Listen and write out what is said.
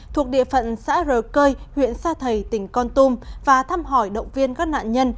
thuộc địa phận xã r cơi huyện sa thầy tỉnh con tum và thăm hỏi động viên các nạn nhân